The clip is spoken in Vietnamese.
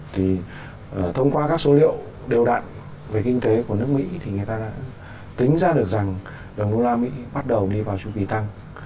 thì thông qua các số liệu đều đặn về kinh tế của nước mỹ thì người ta đã tính ra được rằng đồng đô la mỹ bắt đầu đi vào chu kỳ tăng